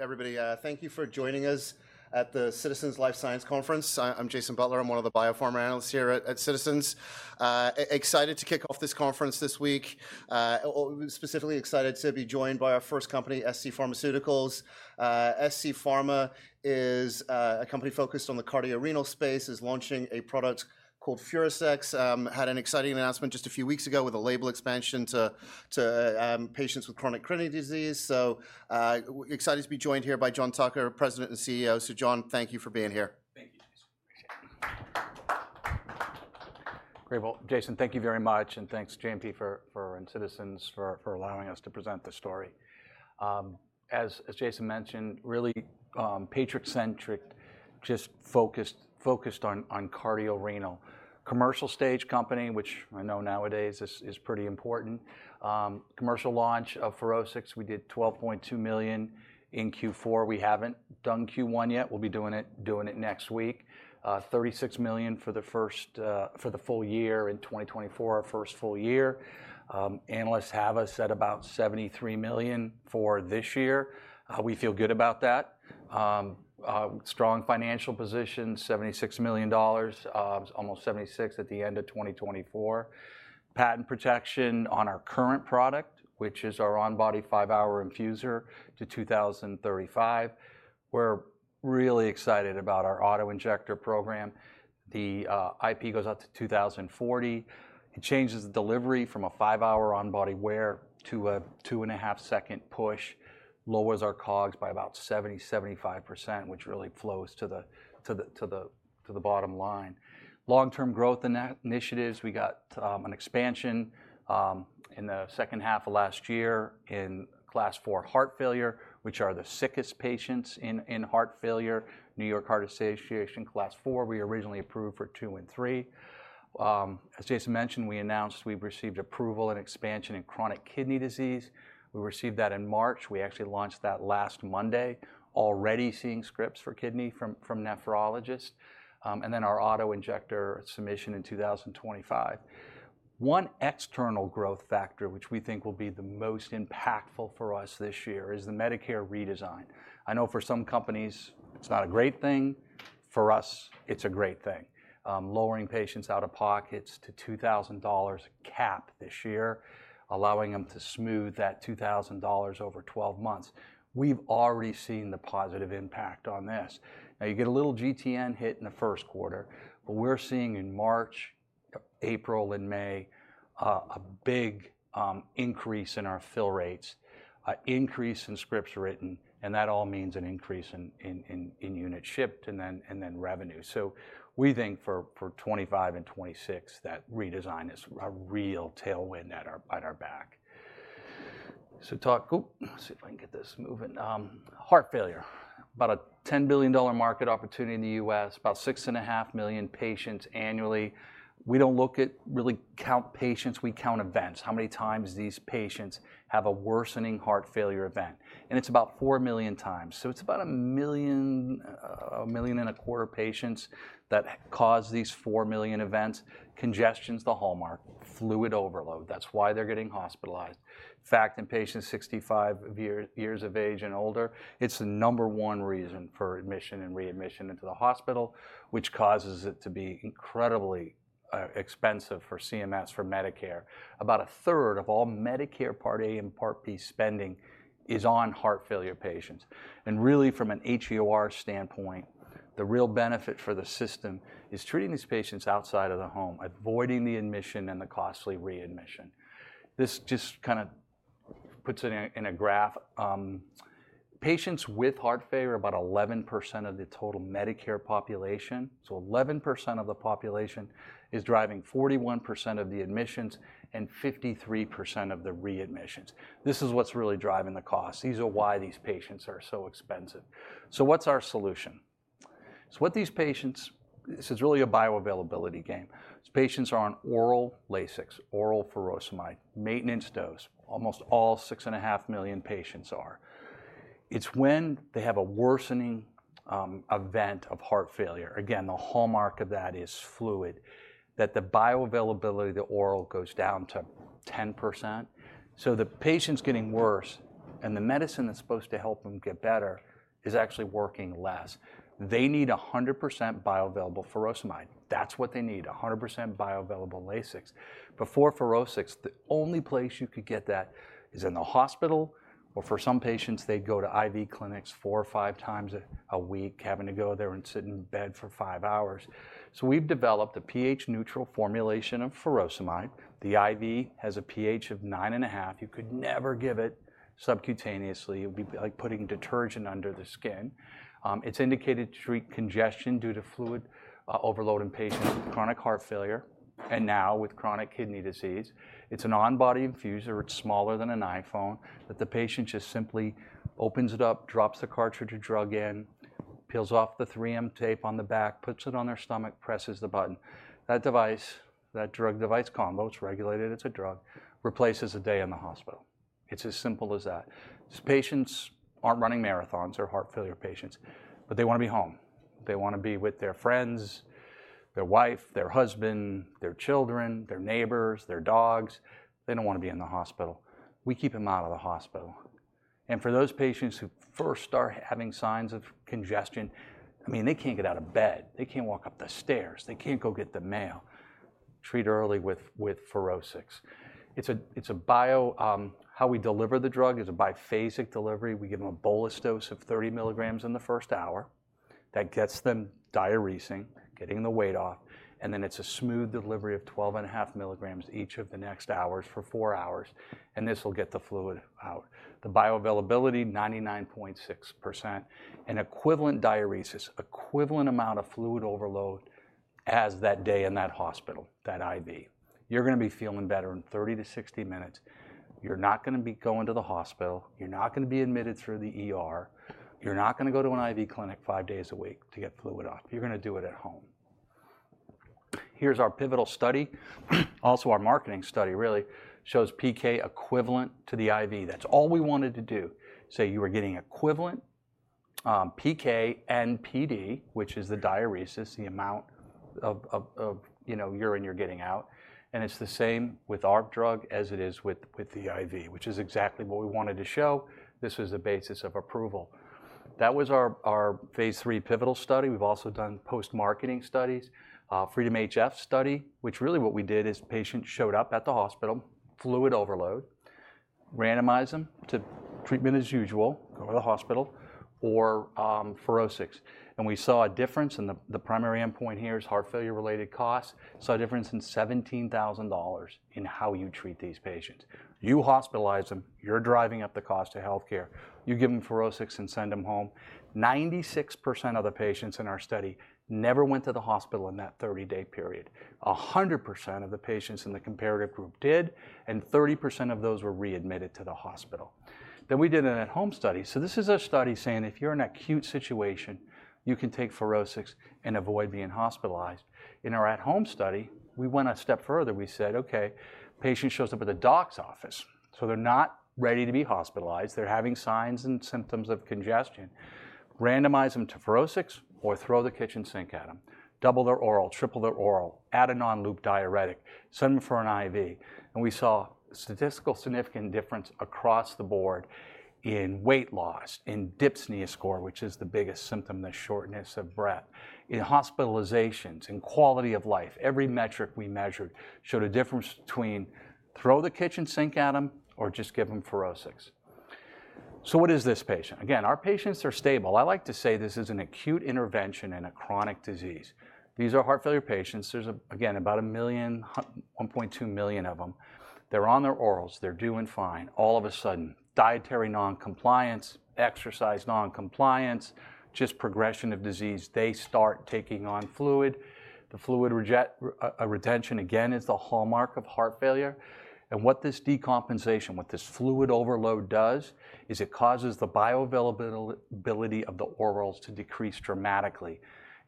Everybody, thank you for joining us at the Citizens Life Science Conference. I'm Jason Butler. I'm one of the BioPharma analysts here at Citizens. Excited to kick off this conference this week, specifically excited to be joined by our first company, scPharmaceuticals. scPharmaceuticals is a company focused on the cardiorenal space, is launching a product called FUROSCIX, had an exciting announcement just a few weeks ago with a label expansion to patients with Chronic Kidney Disease. Excited to be joined here by John Tucker, President and CEO. John, thank you for being here. Thank you. Great. Jason, thank you very much. Thanks, JMP and Citizens for allowing us to present the story. As Jason mentioned, really patient-centric, just focused on cardiorenal. Commercial stage company, which I know nowadays is pretty important. Commercial launch of FUROSCIX, we did $12.2 million in Q4. We haven't done Q1 yet. We'll be doing it next week. $36 million for the full year in 2024, our first full year. Analysts have us at about $73 million for this year. We feel good about that. Strong financial position, $76 million, almost $76 million at the end of 2024. Patent protection on our current product, which is our on-body five-hour infuser, to 2035. We're really excited about our auto injector program. The IP goes out to 2040. It changes the delivery from a five-hour on-body wear to a two-and-a-half-second push, lowers our COGS by about 70%-75%, which really flows to the bottom line. Long-term growth initiatives. We got an expansion in the second half of last year in class four heart failure, which are the sickest patients in heart failure. New York Heart Association Class Four. We were originally approved for two and three. As Jason mentioned, we announced we've received approval and expansion in Chronic Kidney Disease. We received that in March. We actually launched that last Monday, already seeing scripts for kidney from nephrologists. Our auto injector submission in 2025. One external growth factor, which we think will be the most impactful for us this year, is the Medicare redesign. I know for some companies, it's not a great thing. For us, it's a great thing. Lowering patients' out-of-pockets to $2,000 cap this year, allowing them to smooth that $2,000 over 12 months. We've already seen the positive impact on this. Now, you get a little GTN hit in the first quarter, but we're seeing in March, April, and May a big increase in our fill rates, increase in scripts written, and that all means an increase in unit shipped and then revenue. We think for 2025 and 2026, that redesign is a real tailwind at our back. Talk, oop, let's see if I can get this moving. Heart failure, about a $10 billion market opportunity in the U.S., about 6,500,000 million patients annually. We don't look at really count patients, we count events. How many times these patients have a worsening heart failure event? And it's about 4,000,000 million times. It's about a million, a million and a quarter patients that cause these 4,000,000 million events. Congestion's the hallmark. Fluid overload. That's why they're getting hospitalized. In patients 65 years of age and older, it's the number one reason for admission and readmission into the hospital, which causes it to be incredibly expensive for CMS, for Medicare. About a third of all Medicare Part A and Part B spending is on heart failure patients. Really, from an HEOR standpoint, the real benefit for the system is treating these patients outside of the home, avoiding the admission and the costly readmission. This just kind of puts it in a graph. Patients with heart failure are about 11% of the total Medicare population. So 11% of the population is driving 41% of the admissions and 53% of the readmissions. This is what's really driving the cost. These are why these patients are so expensive. What's our solution? What these patients, this is really a bioavailability game. These patients are on oral Lasix, oral furosemide, maintenance dose. Almost all six and a half million patients are. It's when they have a worsening event of heart failure. Again, the hallmark of that is fluid, that the bioavailability of the oral goes down to 10%. The patient's getting worse, and the medicine that's supposed to help them get better is actually working less. They need 100% bioavailable furosemide. That's what they need, 100% bioavailable Lasix. Before FUROSCIX, the only place you could get that is in the hospital, or for some patients, they'd go to IV clinics four or 5 times a week, having to go there and sit in bed for five hours. We've developed a pH-neutral formulation of furosemide. The IV has a pH of 9.5. You could never give it subcutaneously. It would be like putting detergent under the skin. It's indicated to treat congestion due to fluid overload in patients with chronic heart failure and now with Chronic Kidney Disease. It's an on-body infuser. It's smaller than an iPhone, that the patient just simply opens it up, drops the cartridge of drug in, peels off the 3M tape on the back, puts it on their stomach, presses the button. That device, that drug device combo, it's regulated, it's a drug, replaces a day in the hospital. It's as simple as that. These patients aren't running marathons, they're heart failure patients, but they want to be home. They want to be with their friends, their wife, their husband, their children, their neighbors, their dogs. They don't want to be in the hospital. We keep them out of the hospital. For those patients who first start having signs of congestion, I mean, they can't get out of bed. They can't walk up the stairs. They can't go get the mail. Treat early with FUROSCIX. It's a bio, how we deliver the drug is a biphasic delivery. We give them a bolus dose of 30 milligrams in the first hour. That gets them diuresing, getting the weight off. Then it's a smooth delivery of 12.5 milligrams each of the next hours for four hours. This will get the fluid out. The bioavailability, 99.6%, and equivalent diuresis, equivalent amount of fluid overload as that day in that hospital, that IV. You're going to be feeling better in 30 to 60 minutes. You're not going to be going to the hospital. You're not going to be admitted through the hospital. You're not going to go to an IV clinic five days a week to get fluid off. You're going to do it at home. Here's our pivotal study. Also, our marketing study really shows PK equivalent to the IV. That's all we wanted to do. Say you were getting equivalent PK and PD, which is the diuresis, the amount of urine you're getting out. And it's the same with our drug as it is with the IV, which is exactly what we wanted to show. This was the basis of approval. That was our Phase 3 pivotal study. We've also done post-marketing studies, Freedom HF study, which really what we did is patients showed up at the hospital, fluid overload, randomize them to treatment as usual, go to the hospital, or FUROSCIX. We saw a difference, and the primary endpoint here is heart failure-related costs. Saw a difference in $17,000 in how you treat these patients. You hospitalize them, you're driving up the cost to healthcare. You give them FUROSCIX and send them home. 96% of the patients in our study never went to the hospital in that 30-day period. 100% of the patients in the comparative group did, and 30% of those were readmitted to the hospital. We did an at-home study. This is a study saying if you're in an acute situation, you can take FUROSCIX and avoid being hospitalized. In our at-home study, we went a step further. We said, "Okay, patient shows up at the doc's office. They're not ready to be hospitalized. They're having signs and symptoms of congestion. Randomize them to FUROSCIX or throw the kitchen sink at them. Double their oral, triple their oral, add a non-loop diuretic, send them for an IV. We saw statistical significant difference across the board in weight loss, in dyspnea score, which is the biggest symptom, the shortness of breath, in hospitalizations, in quality of life. Every metric we measured showed a difference between throw the kitchen sink at them or just give them FUROSCIX. What is this patient? Again, our patients are stable. I like to say this is an acute intervention in a chronic disease. These are heart failure patients. There is, again, about a million, 1.2 million of them. They are on their orals. They are doing fine. All of a sudden, dietary non-compliance, exercise non-compliance, just progression of disease. They start taking on fluid. The fluid retention, again, is the hallmark of heart failure. What this decompensation, what this fluid overload does is it causes the bioavailability of the orals to decrease dramatically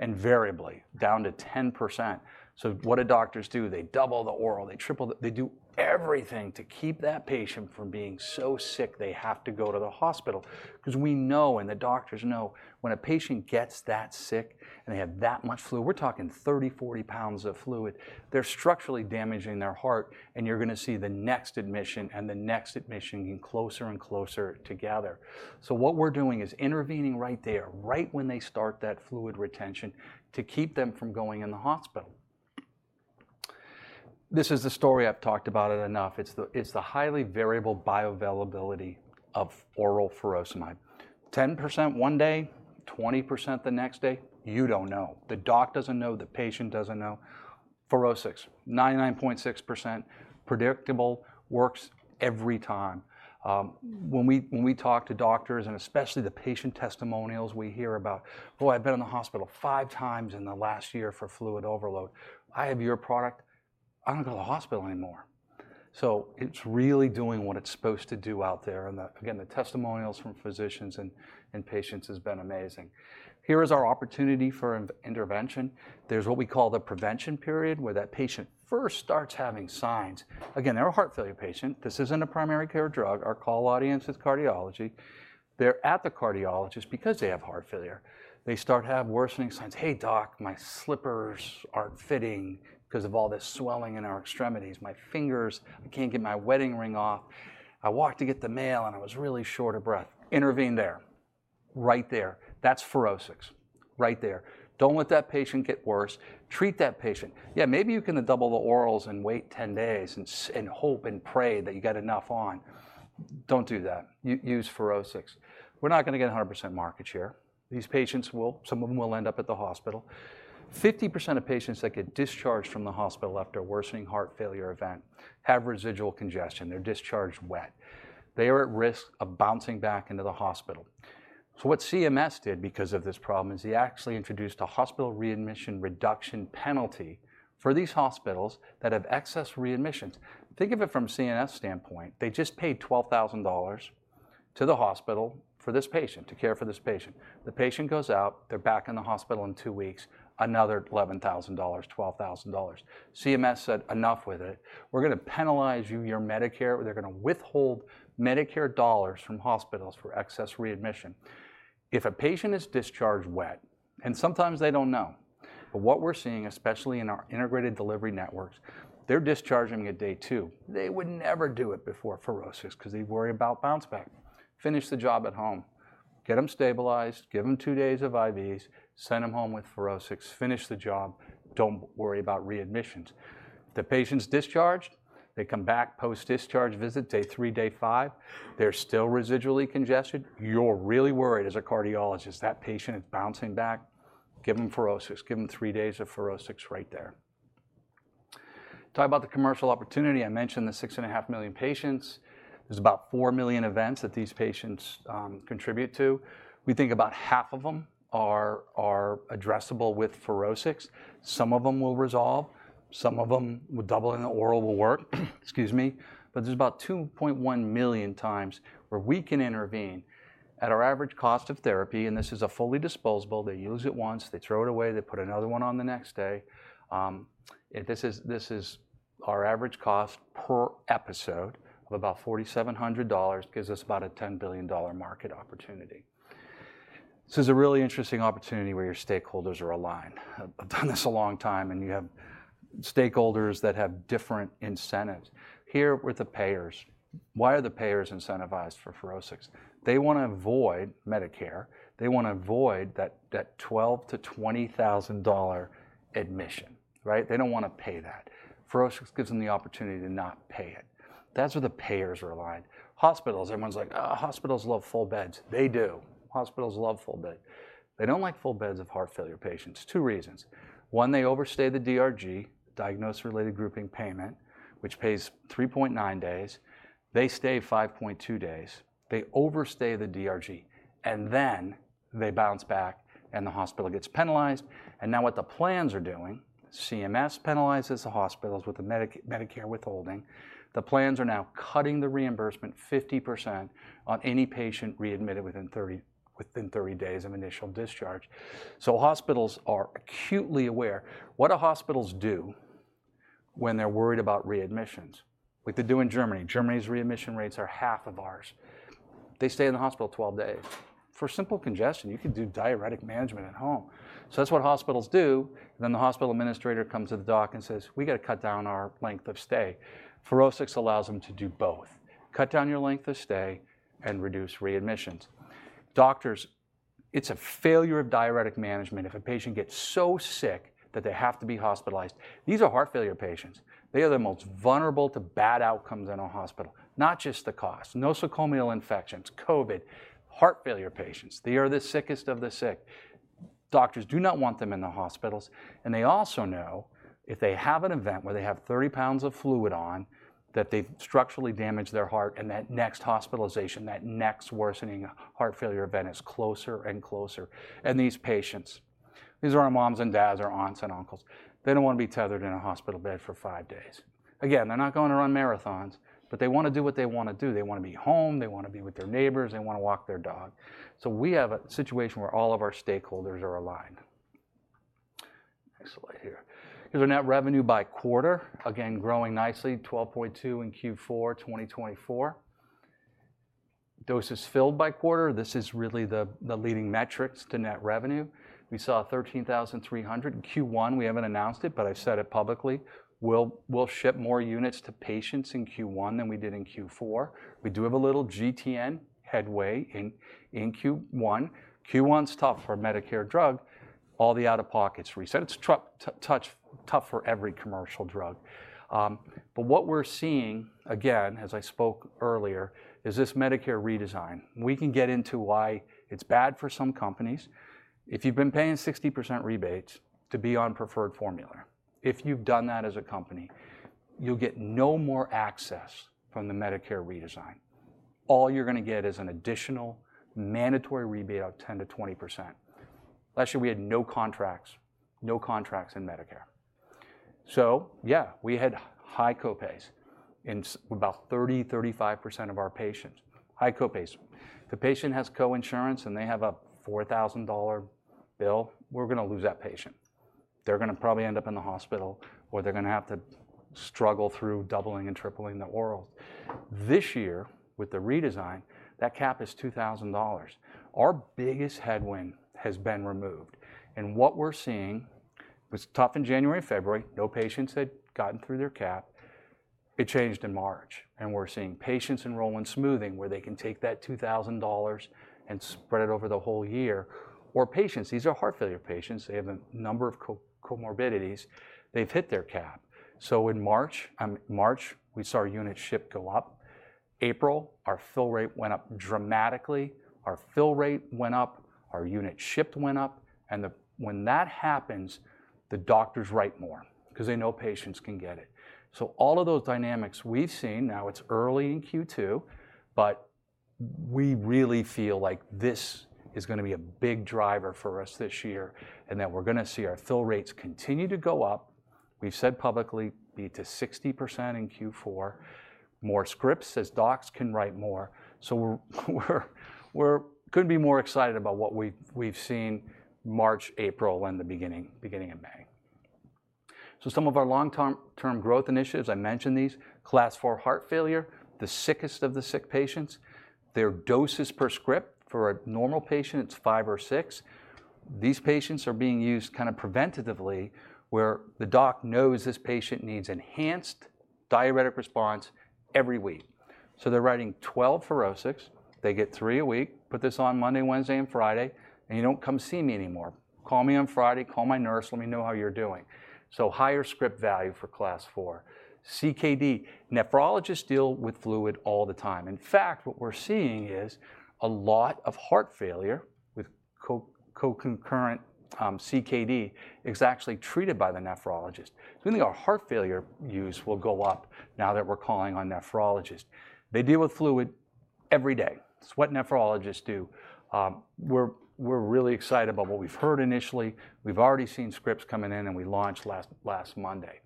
and variably down to 10%. What do doctors do? They double the oral, they triple the, they do everything to keep that patient from being so sick they have to go to the hospital. We know, and the doctors know, when a patient gets that sick and they have that much fluid, we're talking 30-40 pounds of fluid, they're structurally damaging their heart, and you're going to see the next admission and the next admission getting closer and closer together. What we're doing is intervening right there, right when they start that fluid retention to keep them from going in the hospital. This is the story. I've talked about it enough. It's the highly variable bioavailability of oral furosemide. 10% one day, 20% the next day. You don't know. The doc doesn't know. The patient doesn't know. FUROSCIX, 99.6%, predictable, works every time. When we talk to doctors, and especially the patient testimonials we hear about, "Oh, I've been in the hospital five times in the last year for fluid overload. I have your product. I don't go to the hospital anymore." It is really doing what it's supposed to do out there. The testimonials from physicians and patients have been amazing. Here is our opportunity for intervention. There is what we call the prevention period where that patient first starts having signs. Again, they're a heart failure patient. This isn't a primary care drug. Our call audience is cardiology. They're at the cardiologist because they have heart failure. They start to have worsening signs. "Hey, doc, my slippers aren't fitting because of all this swelling in our extremities. My fingers, I can't get my wedding ring off. I walked to get the mail and I was really short of breath. Intervene there, right there. That's FUROSCIX, right there. Don't let that patient get worse. Treat that patient. Yeah, maybe you can double the orals and wait 10 days and hope and pray that you got enough on. Don't do that. Use FUROSCIX. We're not going to get 100% market share. These patients, some of them will end up at the hospital. 50% of patients that get discharged from the hospital after a worsening heart failure event have residual congestion. They're discharged wet. They are at risk of bouncing back into the hospital. What CMS did because of this problem is they actually introduced a hospital readmission reduction penalty for these hospitals that have excess readmissions. Think of it from CMS standpoint. They just paid $12,000 to the hospital for this patient, to care for this patient. The patient goes out, they're back in the hospital in two weeks, another $11,000, $12,000. CMS said, "Enough with it. We're going to penalize you, your Medicare. They're going to withhold Medicare dollars from hospitals for excess readmission." If a patient is discharged wet, and sometimes they don't know, but what we're seeing, especially in our integrated delivery networks, they're discharging a day two. They would never do it before FUROSCIX because they worry about bounce back. Finish the job at home. Get them stabilized, give them two days of IVs, send them home with FUROSCIX, finish the job, don't worry about readmissions. The patient's discharged, they come back post-discharge visit, day three, day five, they're still residually congested. You're really worried as a cardiologist. That patient is bouncing back. Give them FUROSCIX. Give them three days of FUROSCIX right there. Talk about the commercial opportunity. I mentioned the six and a half million patients. There's about four million events that these patients contribute to. We think about half of them are addressable with FUROSCIX. Some of them will resolve. Some of them will double in, the oral will work. Excuse me. There's about 2.1 million times where we can intervene at our average cost of therapy. This is a fully disposable. They use it once, they throw it away, they put another one on the next day. This is our average cost per episode of about $4,700. It gives us about a $10 billion market opportunity. This is a really interesting opportunity where your stakeholders are aligned. I've done this a long time, and you have stakeholders that have different incentives. Here with the payers, why are the payers incentivized for FUROSCIX? They want to avoid Medicare. They want to avoid that $12,000-$20,000 admission, right? They don't want to pay that. FUROSCIX gives them the opportunity to not pay it. That's where the payers are aligned. Hospitals, everyone's like, "Oh, hospitals love full beds." They do. Hospitals love full beds. They don't like full beds of heart failure patients. Two reasons. One, they overstay the DRG, diagnosis-related grouping payment, which pays 3.9 days. They stay 5.2 days. They overstay the DRG, and then they bounce back, and the hospital gets penalized. Now what the plans are doing, CMS penalizes the hospitals with the Medicare withholding. The plans are now cutting the reimbursement 50% on any patient readmitted within 30 days of initial discharge. Hospitals are acutely aware. What do hospitals do when they're worried about readmissions? Like they do in Germany. Germany's readmission rates are half of ours. They stay in the hospital 12 days. For simple congestion, you could do diuretic management at home. That is what hospitals do. The hospital administrator comes to the doc and says, "We got to cut down our length of stay." FUROSCIX allows them to do both. Cut down your length of stay and reduce readmissions. Doctors, it is a failure of diuretic management if a patient gets so sick that they have to be hospitalized. These are heart failure patients. They are the most vulnerable to bad outcomes in a hospital, not just the cost. Nosocomial infections, COVID, heart failure patients. They are the sickest of the sick. Doctors do not want them in the hospitals. They also know if they have an event where they have 30 pounds of fluid on, that they've structurally damaged their heart and that next hospitalization, that next worsening heart failure event is closer and closer. These patients, these are our moms and dads, our aunts and uncles. They don't want to be tethered in a hospital bed for five days. Again, they're not going to run marathons, but they want to do what they want to do. They want to be home. They want to be with their neighbors. They want to walk their dog. We have a situation where all of our stakeholders are aligned. Excellent here. Here's our net revenue by quarter. Again, growing nicely, $12.2 million in Q4 2024. Doses filled by quarter. This is really the leading metrics to net revenue. We saw 13,300. Q1, we have not announced it, but I have said it publicly. We will ship more units to patients in Q1 than we did in Q4. We do have a little GTN headway in Q1. Q1 is tough for Medicare drug. All the out-of-pockets reset. It is tough for every commercial drug. What we are seeing, again, as I spoke earlier, is this Medicare redesign. We can get into why it is bad for some companies. If you have been paying 60% rebates to be on preferred formula, if you have done that as a company, you will get no more access from the Medicare redesign. All you are going to get is an additional mandatory rebate of 10-20%. Last year, we had no contracts, no contracts in Medicare. So yeah, we had high copays in about 30-35% of our patients. High copays. If a patient has coinsurance and they have a $4,000 bill, we're going to lose that patient. They're going to probably end up in the hospital or they're going to have to struggle through doubling and tripling the orals. This year, with the redesign, that cap is $2,000. Our biggest headwind has been removed. What we're seeing was tough in January and February. No patients had gotten through their cap. It changed in March. We're seeing patients enroll in smoothing where they can take that $2,000 and spread it over the whole year. These are heart failure patients. They have a number of comorbidities. They've hit their cap. In March, we saw our unit ship go up. In April, our fill rate went up dramatically. Our fill rate went up. Our unit shipped went up. When that happens, the doctors write more because they know patients can get it. All of those dynamics we've seen, now it's early in Q2, but we really feel like this is going to be a big driver for us this year and that we're going to see our fill rates continue to go up. We've said publicly be to 60% in Q4. More scripts as docs can write more. We're going to be more excited about what we've seen March, April, and the beginning of May. Some of our long-term growth initiatives, I mentioned these. Class 4 heart failure, the sickest of the sick patients. Their doses per script for a normal patient, it's 5 or 6. These patients are being used kind of preventatively where the doc knows this patient needs enhanced diuretic response every week. They're writing 12 FUROSCIX. They get three a week. Put this on Monday, Wednesday, and Friday, and you do not come see me anymore. Call me on Friday. Call my nurse. Let me know how you are doing. Higher script value for Class 4. CKD. Nephrologists deal with fluid all the time. In fact, what we are seeing is a lot of heart failure with co-concurrent CKD is actually treated by the nephrologist. I think our heart failure use will go up now that we are calling on nephrologists. They deal with fluid every day. It is what nephrologists do. We are really excited about what we have heard initially. We have already seen scripts coming in, and we launched last Monday.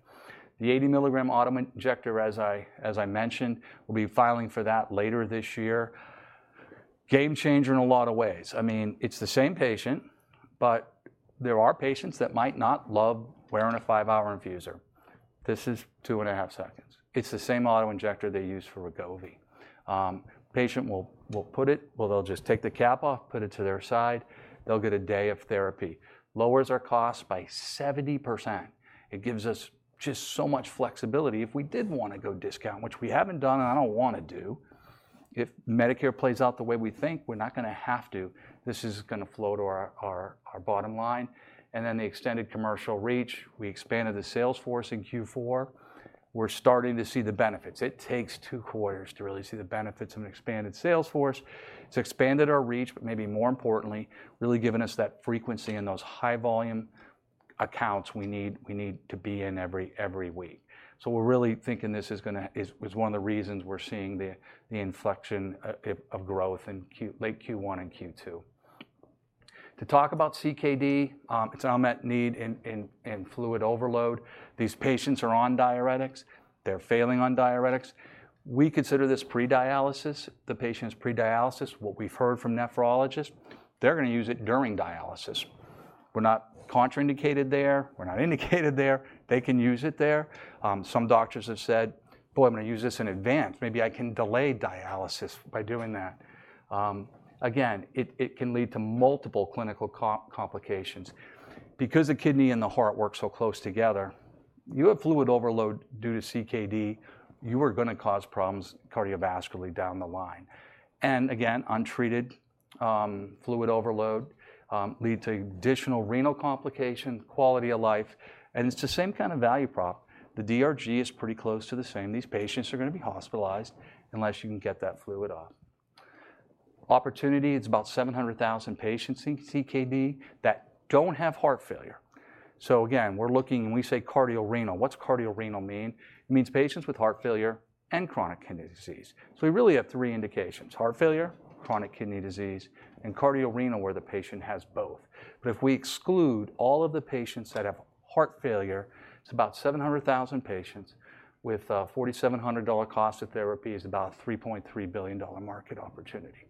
The 80-milligram auto injector, as I mentioned, we will be filing for that later this year. Game changer in a lot of ways. I mean, it's the same patient, but there are patients that might not love wearing a five-hour infuser. This is 2.5 seconds. It's the same auto injector they use for Wegovy. Patient will put it, well, they'll just take the cap off, put it to their side. They'll get a day of therapy. Lowers our cost by 70%. It gives us just so much flexibility if we did want to go discount, which we haven't done, and I don't want to do. If Medicare plays out the way we think, we're not going to have to. This is going to flow to our bottom line. The extended commercial reach, we expanded the sales force in Q4. We're starting to see the benefits. It takes two quarters to really see the benefits of an expanded sales force. It's expanded our reach, but maybe more importantly, really given us that frequency and those high-volume accounts we need to be in every week. We're really thinking this is going to, is one of the reasons we're seeing the inflection of growth in late Q1 and Q2. To talk about CKD, it's an unmet need in fluid overload. These patients are on diuretics. They're failing on diuretics. We consider this pre-dialysis. The patient's pre-dialysis, what we've heard from nephrologists, they're going to use it during dialysis. We're not contraindicated there. We're not indicated there. They can use it there. Some doctors have said, "Boy, I'm going to use this in advance. Maybe I can delay dialysis by doing that." Again, it can lead to multiple clinical complications. Because the kidney and the heart work so close together, you have fluid overload due to CKD, you are going to cause problems cardiovascularly down the line. Again, untreated fluid overload leads to additional renal complications, quality of life. It's the same kind of value prop. The DRG is pretty close to the same. These patients are going to be hospitalized unless you can get that fluid off. Opportunity, it's about 700,000 patients in CKD that don't have heart failure. Again, we're looking, and we say cardiorenal. What's cardiorenal mean? It means patients with heart failure and Chronic Kidney Disease. We really have three indications: heart failure, Chronic Kidney Disease, and cardiorenal where the patient has both. If we exclude all of the patients that have heart failure, it's about 700,000 patients with a $4,700 cost of therapy is about a $3.3 billion market opportunity.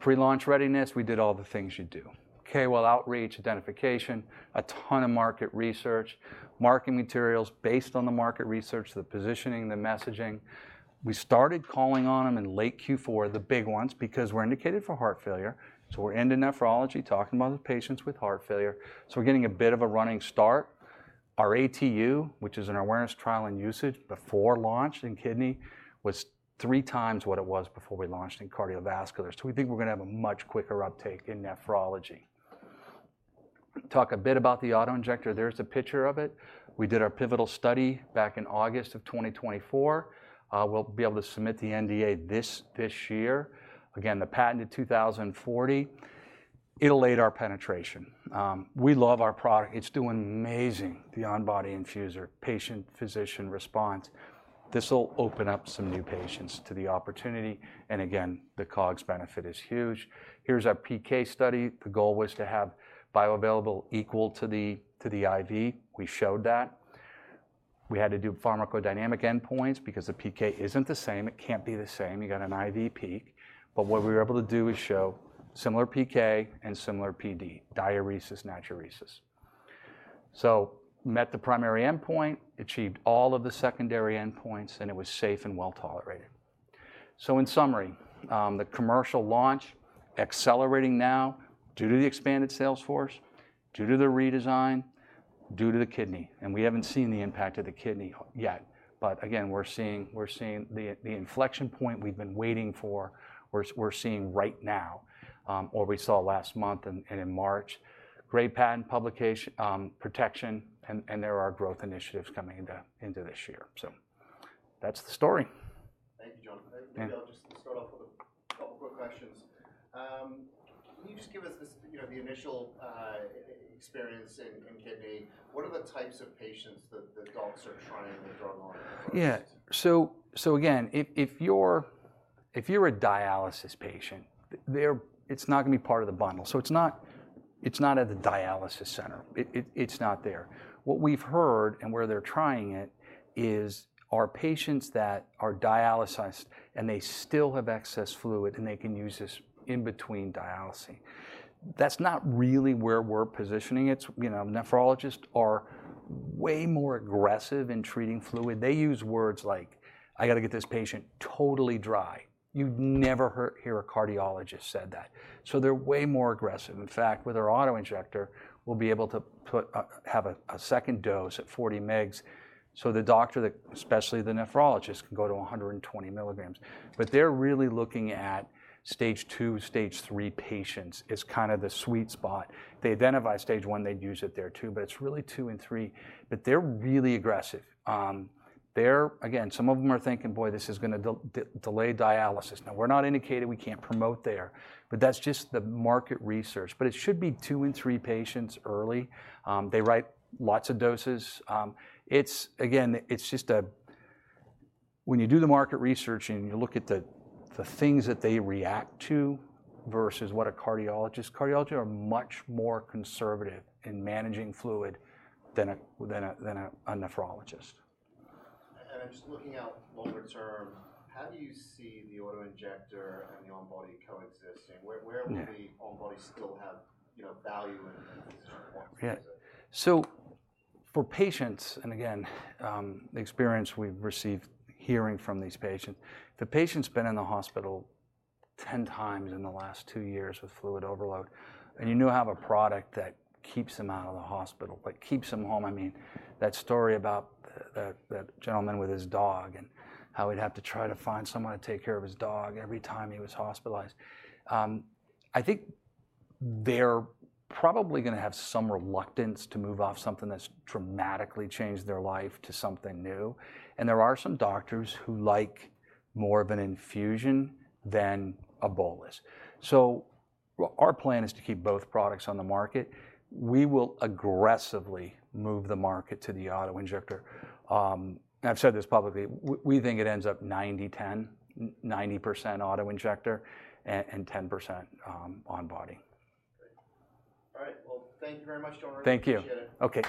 Pre-launch readiness, we did all the things you do. KOL outreach, identification, a ton of market research, marketing materials based on the market research, the positioning, the messaging. We started calling on them in late Q4, the big ones, because we're indicated for heart failure. We're in nephrology talking about the patients with heart failure. We're getting a bit of a running start. Our ATU, which is an awareness trial and usage before launch in kidney, was 3 times what it was before we launched in cardiovascular. We think we're going to have a much quicker uptake in nephrology. Talk a bit about the auto injector. There's a picture of it. We did our pivotal study back in August of 2024. We'll be able to submit the NDA this year. Again, the patent of 2040, it'll aid our penetration. We love our product. It's doing amazing, the on-body infuser, patient-physician response. This will open up some new patients to the opportunity. The COGS benefit is huge. Here's our PK study. The goal was to have bioavailable equal to the IV. We showed that. We had to do pharmacodynamic endpoints because the PK isn't the same. It can't be the same. You got an IV peak. What we were able to do is show similar PK and similar PD, diuresis, natriuresis. Met the primary endpoint, achieved all of the secondary endpoints, and it was safe and well tolerated. In summary, the commercial launch accelerating now due to the expanded sales force, due to the redesign, due to the kidney. We haven't seen the impact of the kidney yet. We're seeing the inflection point we've been waiting for. We're seeing right now, or we saw last month and in March, great patent protection, and there are growth initiatives coming into this year. That's the story. Thank you, John. I'll just start off with a couple of quick questions. Can you just give us the initial experience in kidney? What are the types of patients that docs are trying the drug on? Yeah. Again, if you're a dialysis patient, it's not going to be part of the bundle. It's not at the dialysis center. It's not there. What we've heard and where they're trying it is our patients that are dialyzed and they still have excess fluid and they can use this in between dialysis. That's not really where we're positioning it. Nephrologists are way more aggressive in treating fluid. They use words like, "I got to get this patient totally dry." You'd never hear a cardiologist say that. They are way more aggressive. In fact, with our auto injector, we'll be able to have a second dose at 40 mg. The doctor, especially the nephrologist, can go to 120 milligrams. They are really looking at stage two, stage three patients as kind of the sweet spot. They identify stage one, they'd use it there too, but it's really two and three. They are really aggressive. Again, some of them are thinking, "Boy, this is going to delay dialysis." Now, we're not indicated. We can't promote there. That's just the market research. It should be two and three patients early. They write lots of doses. Again, it's just when you do the market research and you look at the things that they react to versus what a cardiologist, cardiology are much more conservative in managing fluid than a nephrologist. I'm just looking out longer term. How do you see the auto injector and the on-body coexisting? Where will the on-body still have value in these? Yeah. For patients, and again, the experience we've received hearing from these patients, the patient's been in the hospital 10 times in the last two years with fluid overload. You know how a product that keeps them out of the hospital, but keeps them home. I mean, that story about that gentleman with his dog and how he'd have to try to find someone to take care of his dog every time he was hospitalized. I think they're probably going to have some reluctance to move off something that's dramatically changed their life to something new. There are some doctors who like more of an infusion than a bolus. Our plan is to keep both products on the market. We will aggressively move the market to the auto injector. I've said this publicly. We think it ends up 90-10, 90% auto injector and 10% on-body. All right. Thank you very much, John. Thank you. Okay.